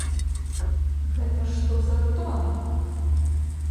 Гэта што за тон!